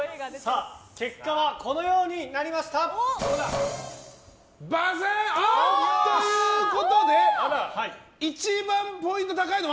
結果はこのようになりました！ということで一番ポイントが高いのは。